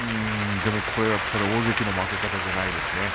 でも、これは大関の負け方ではないですね。